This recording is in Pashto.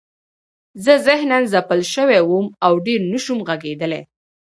زه ذهناً ځپل شوی وم او ډېر نشوم غږېدلی